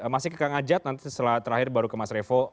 masih ke kang ajat nanti setelah terakhir baru ke mas revo